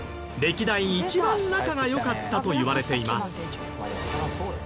歴代一番仲が良かったといわれています。